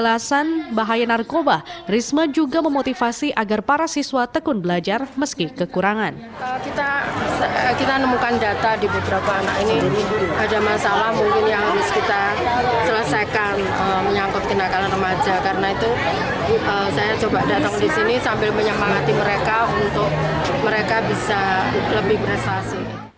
karena itu saya coba datang di sini sambil menyemangati mereka untuk mereka bisa lebih beresasi